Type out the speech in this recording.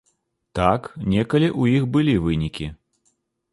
Так, некалі ў іх былі вынікі.